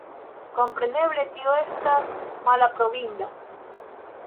Kompreneble tio estas malaprobinda.